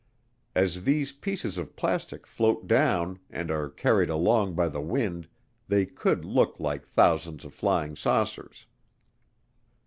As these pieces of plastic float down and are carried along by the wind, they could look like thousands of flying saucers.